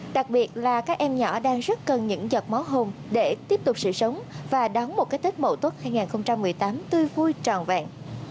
đặc biệt là các em nhỏ đang rất cần những giọt máu hồng để tiếp tục sự sống và đón một cái tết mậu tốt hai nghìn một mươi tám tươi vui tròn vẹn